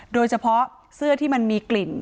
โดยเฉพาะเสื้อที่มันมีกลิ่น